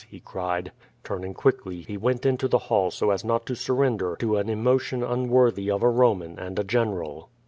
he cried. Turning quickly he went into the hall so as not to surrend er to an emotion unworthy a Boman and a general.